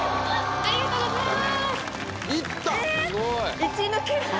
ありがとうございます